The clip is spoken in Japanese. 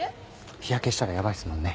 日焼けしたらやばいっすもんね。